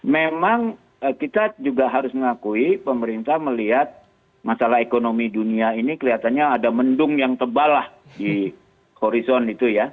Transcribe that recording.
memang kita juga harus mengakui pemerintah melihat masalah ekonomi dunia ini kelihatannya ada mendung yang tebal lah di horizon itu ya